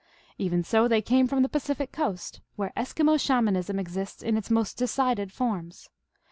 Even so, they came from the Pacific coast, where Eskimo Shamanism exists in its most decided forms.